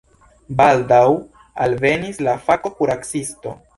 Baldaŭ alvenis la fako-kuracisto.